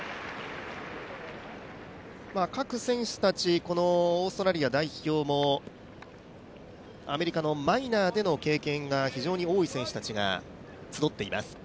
各選手たちオーストラリア代表もアメリカのマイナ−での経験が非常に多い選手たちが集っています。